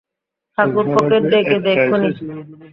ঠাকুরপোকে ডেকে দে এক্ষুনি।